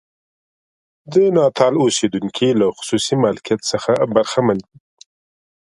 د ناتال اوسېدونکي له خصوصي مالکیت څخه برخمن دي.